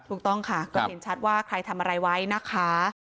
ถูกต้องค่ะก็เห็นชัดว่าใครทำอะไรไว้นะคะ